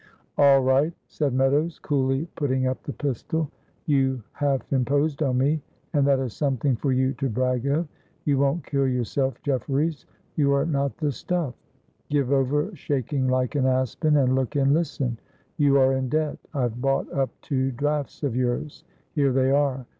"All right," said Meadows, coolly putting up the pistol. "You half imposed on me, and that is something for you to brag of. You won't kill yourself, Jefferies; you are not the stuff. Give over shaking like an aspen, and look and listen. You are in debt. I've bought up two drafts of yours here they are.